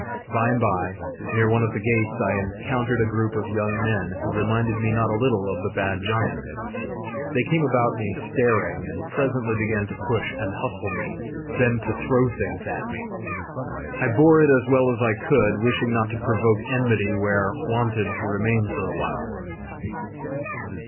By and by, near one of the gates, I encountered a group of young men who reminded me not a little of the bad giants. They came about me staring, and presently began to push and hustle me, then to throw things at me. I bore it as well as I could, wishing not to provoke enmity where wanted to remain for a while.